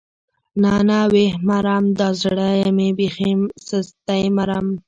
نه نه ويح مرم دا زړه مې بېخي سست دی مرم.